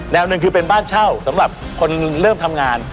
หนึ่งคือเป็นบ้านเช่าสำหรับคนเริ่มทำงาน